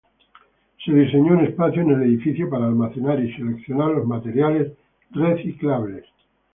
Se diseñó un espacio en el edificio para almacenar y seleccionar los materiales reciclables.